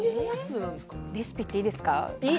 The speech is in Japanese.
レシピ言っていいですか？